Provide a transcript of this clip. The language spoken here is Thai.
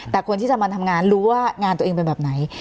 แต่คนที่จะมาทำงานรู้ว่างานตัวเองเป็นแบบไหน